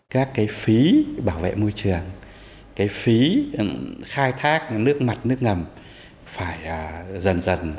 các phí bảo vệ môi trường phí khai thác nước mặt nước ngầm phải dần dần quản lý